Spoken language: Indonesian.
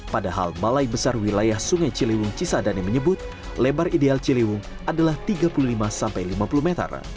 padahal balai besar wilayah sungai ciliwung cisadane menyebut lebar ideal ciliwung adalah tiga puluh lima sampai lima puluh meter